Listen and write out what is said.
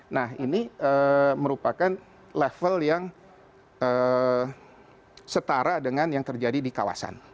nah ini merupakan level yang setara dengan yang terjadi di kawasan